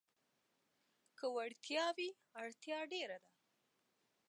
که وړتيا وي، اړتيا ډېره ده.